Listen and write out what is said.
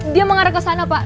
dia mengarah kesana pak